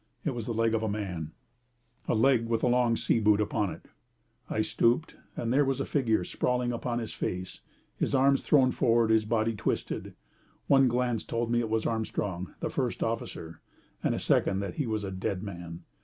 It was the leg of a man a leg with a long sea boot upon it. I stooped, and there was a figure sprawling upon his face, his arms thrown forward and his body twisted. One glance told me that it was Armstrong, the first officer, and a second that he was a dead man.